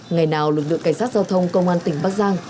ngày nào lực lượng cảnh sát giao thông công an tỉnh bắc giang